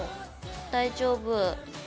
大丈夫。